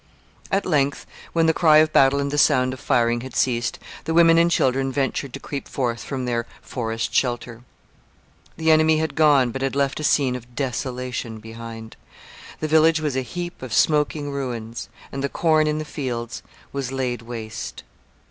At length, when the cry of battle and the sound of firing had ceased, the women and children ventured to creep forth from their forest shelter. The enemy had gone, but had left a scene of desolation behind. The village was a heap of smoking ruins, and the corn in the fields was laid waste.